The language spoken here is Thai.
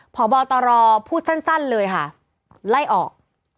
พบตรพูดสั้นเลยค่ะไล่ออก